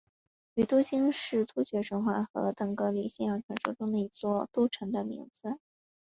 于都斤是突厥神话和腾格里信仰传说中的一座都城的名字。